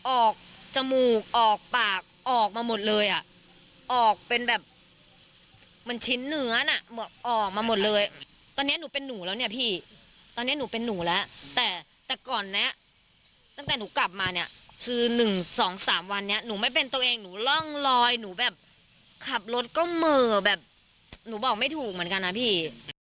ออกจมูกออกปากออกมาหมดเลยอ่ะออกเป็นแบบเหมือนชิ้นเนื้อน่ะออกมาหมดเลยตอนนี้หนูเป็นหนูแล้วเนี่ยพี่ตอนนี้หนูเป็นหนูแล้วแต่แต่ก่อนเนี้ยตั้งแต่หนูกลับมาเนี่ยคือ๑๒๓วันนี้หนูไม่เป็นตัวเองหนูร่องรอยหนูแบบขับรถก็เหม่อแบบหนูบอกไม่ถูกเหมือนกันนะพี่